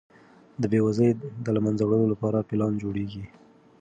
د بېوزلۍ د له منځه وړلو لپاره پلان جوړیږي.